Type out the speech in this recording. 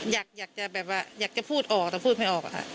อยากจะแบบว่าอยากจะพูดออกแต่พูดไม่ออกอะค่ะ